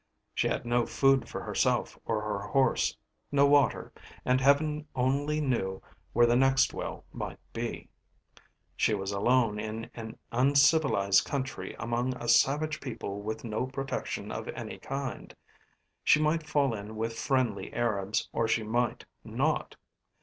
She had no food for herself or her horse, no water, and Heaven alone knew where the next well might be. She was alone in an uncivilised country among a savage people with no protection of any kind. She might fall in with friendly Arabs or she might not.